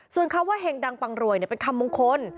ส่วนคำว่าเห็งดังปังรวยเป็นคำมงคล